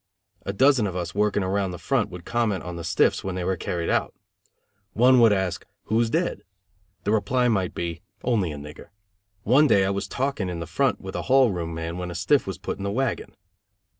A dozen of us working around the front would comment on the "stiffs" when they were carried out. One would ask, "Who's dead?" The reply might be, "Only a nigger." One day I was talking in the front with a hall room man when a stiff was put in the wagon.